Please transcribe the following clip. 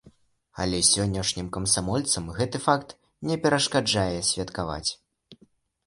Але сённяшнім камсамольцам гэты факт не перашкаджае святкаваць.